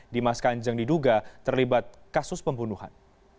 dimas kanjeng diduga terlibat kasus pembunuhan